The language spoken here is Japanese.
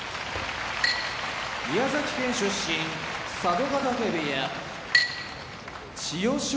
宮崎県出身佐渡ヶ嶽部屋千代翔